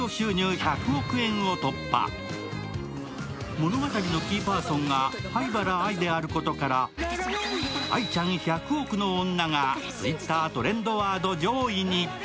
物語のキーパーソンが灰原哀であることから哀ちゃん１００億の女がＴｗｉｔｔｅｒトレンドワード上位に。